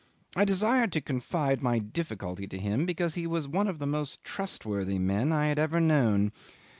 I desired to confide my difficulty to him because he was one of the most trustworthy men I had ever known.